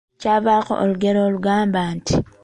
Kyavaako olugero olugamba nti?